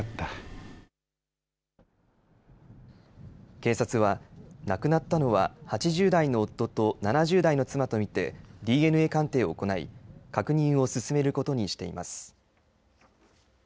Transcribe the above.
警察は、亡くなったのは、８０代の夫と７０代の妻とみてＤＮＡ鑑定を行い、確認を進めることにしています。